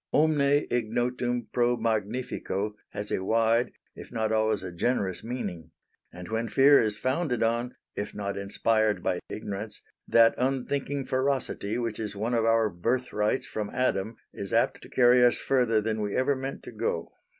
Omne ignotum pro magnifico has a wide if not always a generous meaning; and when fear is founded on, if not inspired by ignorance, that unthinking ferocity which is one of our birthrights from Adam is apt to carry us further than we ever meant to go.